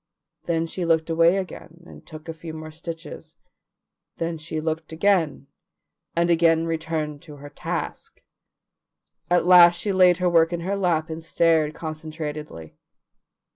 Then she looked away again and took a few more stitches, then she looked again, and again turned to her task. At last she laid her work in her lap and stared concentratedly.